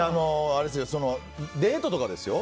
デートとかですよ。